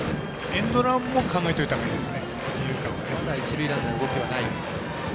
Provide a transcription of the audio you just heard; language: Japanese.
エンドランも考えておいたほうがいいです。